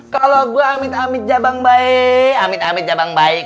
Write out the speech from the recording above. kalau gue amit amit cabang baik amit amit cabang baik